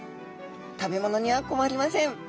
食べ物には困りません。